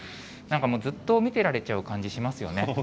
なんかもうずっと見てられちゃう感じ、しますよね。